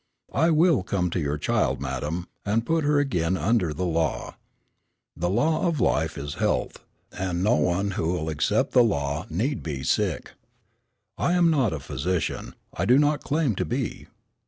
I will come to your child, madam, and put her again under the law. The law of life is health, and no one who will accept the law need be sick. I am not a physician. I do not claim to be.